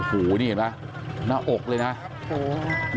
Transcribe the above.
โอ้โหนี่เห็นป่ะหน้าอกเลยนะโอ้โห